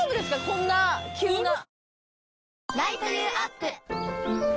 こんな急な。